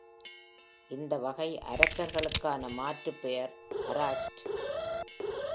இந்த வகை அரக்கர்களுக்கான மாற்று பெயர் அராச்ச்ட்.